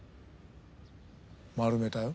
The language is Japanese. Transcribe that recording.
丸めたよ。